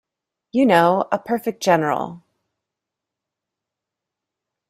You know, a perfect general!